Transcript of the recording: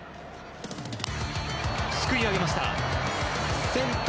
すくい上げました。